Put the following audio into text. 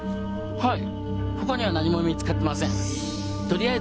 はい。